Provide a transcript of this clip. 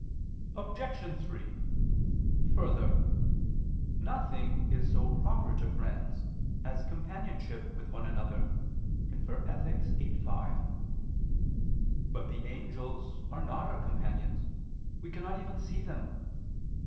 Obj. 3: Further, nothing is so proper to friends as companionship with one another (Ethic. viii, 5). But the angels are not our companions; we cannot even see them.